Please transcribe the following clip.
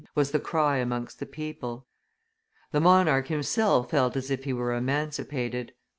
was the cry amongst the people. The monarch himself felt as if he were emancipated.